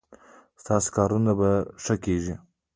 ستاسو کارونه به ښه کیږي